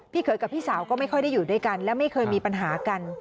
เขยกับพี่สาวก็ไม่ค่อยได้อยู่ด้วยกันและไม่เคยมีปัญหากัน